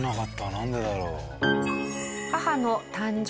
なんでだろう？